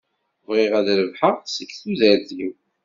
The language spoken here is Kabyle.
Bɣiɣ ad rebḥeɣ seg tudert-iw.